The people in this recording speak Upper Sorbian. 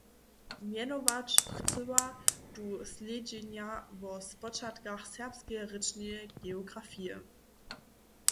Mjenować chcyła tu slědźenja wo spočatkach serbskeje rěčneje geografije.